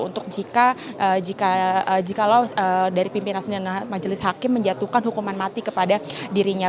untuk jika lo dari pimpinan majelis hakim menjatuhkan hukuman mati kepada dirinya